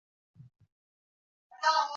汉武帝元狩二年改故鄣郡为丹阳郡。